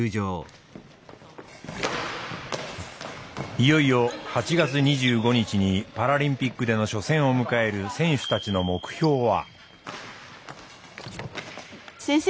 いよいよ８月２５日にパラリンピックでの初戦を迎える選手たちの目標は？